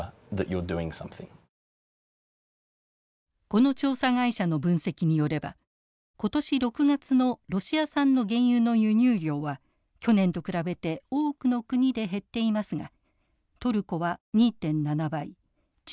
この調査会社の分析によれば今年６月のロシア産の原油の輸入量は去年と比べて多くの国で減っていますがトルコは２．７倍中国は１．５倍。